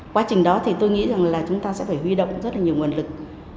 quá trình đó thì tôi nghĩ rằng là chúng ta sẽ phải huy động rất là nhiều nguồn lực